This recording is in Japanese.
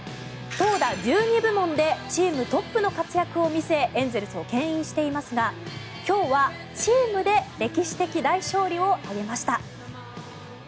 投打１２部門でチームトップの活躍を見せエンゼルスをけん引していますが今日はチームで歴史的大勝利を上げました。